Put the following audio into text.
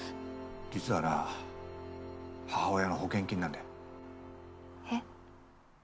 実はな母親の保険金なんだよ。えっ。